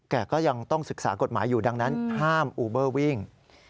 ก็ยังต้องศึกษากฎหมายอยู่ดังนั้นห้ามอูเบอร์วิ่ง